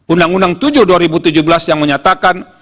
undang undang tujuh dua ribu tujuh belas yang menyatakan